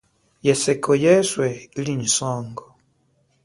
Yeseko yeswe ili nyi songo.